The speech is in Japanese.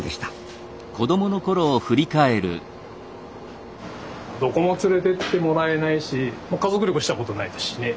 どこも連れてってもらえないし家族旅行したことないですしね。